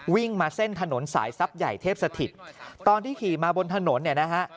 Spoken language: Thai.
วิ่งมาเส้นถนนสายทรัพย์ใหญ่เทพสถิตตอนที่ขี่มาบนถนนเนี่ยนะฮะ